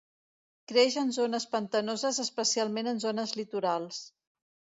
Creix en zones pantanoses especialment en zones litorals.